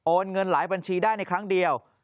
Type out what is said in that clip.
เงินหลายบัญชีได้ในครั้งเดียว